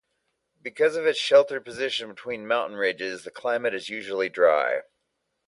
Because of its sheltered position between mountain ridges, the climate is unusually dry.